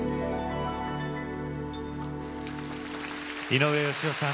井上芳雄さん